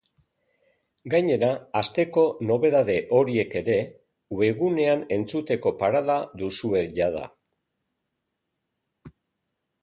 Gainera, asteko nobedade horiek ere webgunean entzuteko parada duzue jada.